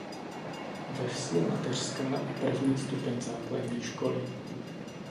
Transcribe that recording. Ve vsi je mateřská a první stupeň základní školy.